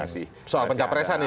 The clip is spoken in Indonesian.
soal pencapresan ini